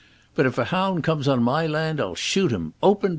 But if a hound comes on my land, I'll shoot him, open, before you all."